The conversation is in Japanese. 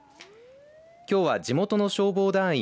きょうは、地元の消防団員